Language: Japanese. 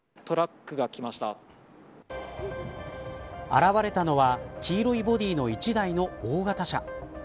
現れたのは黄色いボディの１台の大型車。